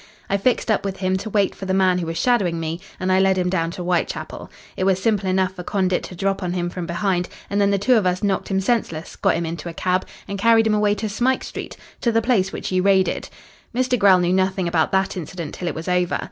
I fixed up with him to wait for the man who was shadowing me, and I led him down to Whitechapel. It was simple enough for Condit to drop on him from behind, and then the two of us knocked him senseless, got him into a cab, and carried him away to Smike Street to the place which you raided. "Mr. Grell knew nothing about that incident till it was over.